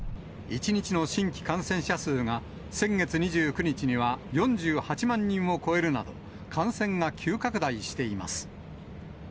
１日の新規感染者数が先月２９日には４８万人を超えるなど、感染が急拡大しています。